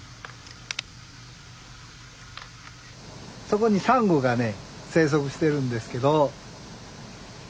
そこにサンゴがね生息してるんですけど。